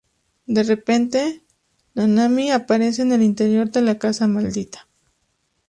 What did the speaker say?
De repente, Nanami aparece en el interior de la casa maldita.